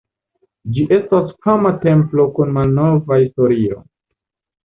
Ĝi estas fama templo kun malnova historio.